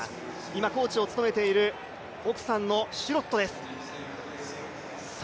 今コーチを務めている奥さんのシュロットです。